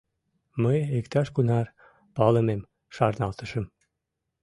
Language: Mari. Мый иктаж-кунар палымем шарналтышым.